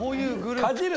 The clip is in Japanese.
かじる。